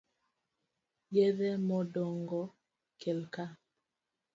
Yedhe modong'o kelka.